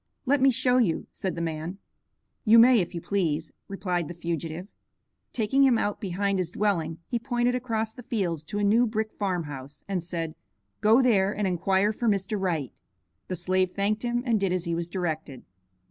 "Let me show you," said the man. "You may if you please," replied the fugitive. Taking him out behind his dwelling, he pointed across the fields to a new brick farm house, and said, "Go there and inquire for Mr. Wright." The slave thanked him and did as he was directed.